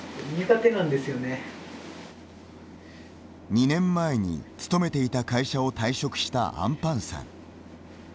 ２年前に勤めていた会社を退職したあんぱんさん。